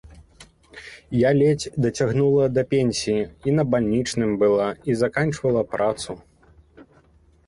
Я ледзь дацягнула да пенсіі, і на бальнічным была і заканчвала працу.